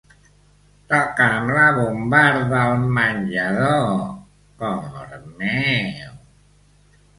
Toca'm la bombarda al menjador, cor meu.